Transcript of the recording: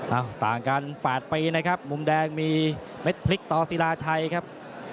ต่างกัน๘ปีนะครับมุมแดงมีเม็ดพลิกต่อศิลาชัยครับ